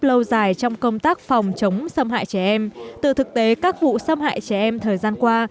lâu dài trong công tác phòng chống xâm hại trẻ em từ thực tế các vụ xâm hại trẻ em thời gian qua